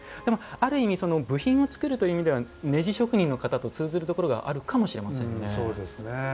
ある意味、部品を作るという意味ではネジ職人の方と通ずるところがあるかもしれませんね。